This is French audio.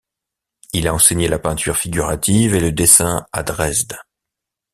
Il a enseigné la peinture figurative et le dessin à Dresde.